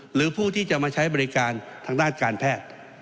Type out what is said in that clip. หรือผู้ที่จะมาใช้บริการทางด้านการแพทย์